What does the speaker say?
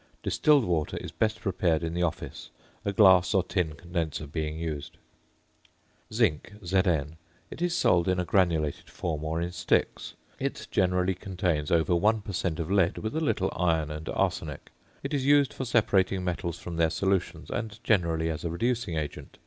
Distilled water is best prepared in the office, a glass or tin condenser being used. ~Zinc~, Zn. It is sold in a granulated form or in sticks. It generally contains over 1 per cent. of lead, with a little iron and arsenic. It is used for separating metals from their solutions, and generally as a reducing agent.